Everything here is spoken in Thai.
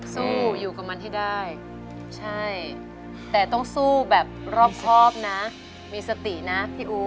สู้อยู่กับมันให้ได้ใช่แต่ต้องสู้แบบรอบครอบนะมีสตินะพี่อู๋